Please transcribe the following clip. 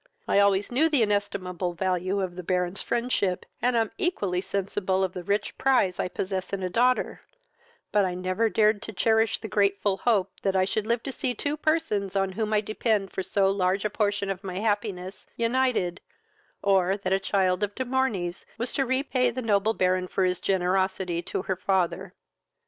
I always knew the inestimable value of the Baron's friendship, and am equally sensible of the rich prize I possess in a daughter; but I never dared to cherish the grateful hope that I should live to see two persons on whom I depended for so large a portion of my happiness united, or that a child of De Morney's was to repay the noble Baron for his generosity to her father."